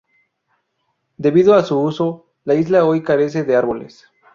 Debido a su uso, la isla hoy carece de árboles.